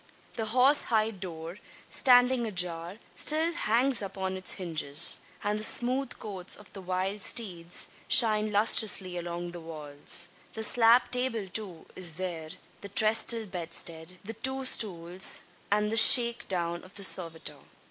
The horse hide door, standing ajar, still hangs upon its hinges; and the smooth coats of the wild steeds shine lustrously along the walls. The slab table, too, is there, the trestle bedstead, the two stools, and the "shake down" of the servitor.